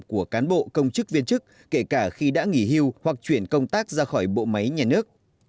của cán bộ công chức viên chức kể cả khi đã nghỉ hưu hoặc chuyển công tác ra khỏi bộ máy nhà nước